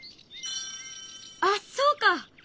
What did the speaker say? あっそうか！